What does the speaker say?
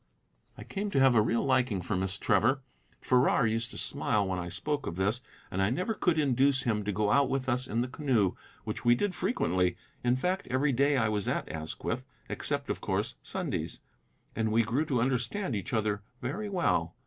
I came to have a real liking for Miss Trevor. Farrar used to smile when I spoke of this, and I never could induce him to go out with us in the canoe, which we did frequently, in fact, every day I was at Asquith, except of course Sundays. And we grew to understand each other very well.